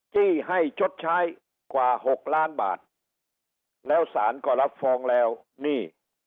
จี้ให้ชดใช้กว่าหกล้านบาทแล้วสารก็รับฟ้องแล้วนี่